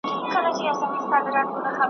د دوی مخ ته د ملګري کښېناستل وه `